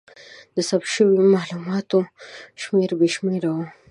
د ثبت شوو مالوماتو شمېر بې شمېره و.